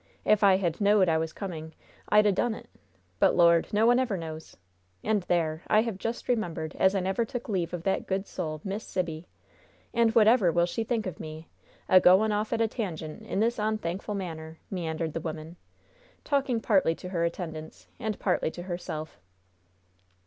If I had knowed I was coming, I'd 'a' done it. But, Lord! no one ever knows! And there! I have just remembered as I never took leave of that good soul, Miss Sibby! And whatever will she think of me, a going off at a tangent in this onthankful manner?" meandered the woman, talking partly to her attendants and partly to herself.